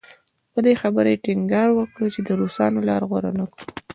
پر دې خبرې ټینګار وکړي چې د روسانو لاره غوره نه کړو.